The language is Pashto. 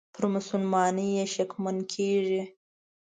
پر مسلماني یې شکمن کیږي.